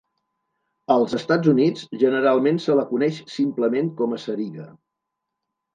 Als Estats Units, generalment se la coneix simplement com a sariga.